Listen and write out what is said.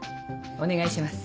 お願いします。